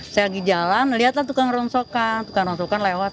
saya lagi jalan melihatlah tukang rongsokan tukang ronsokan lewat